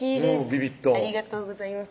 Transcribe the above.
ビビッドありがとうございます